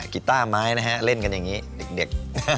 กีต้าไม้นะฮะเล่นกันอย่างนี้เด็ก